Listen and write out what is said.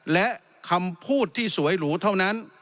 และคำพูดที่สวยหรูเท่านั้น